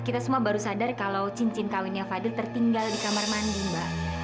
kita semua baru sadar kalau cincin kawinnya fadil tertinggal di kamar mandi mbak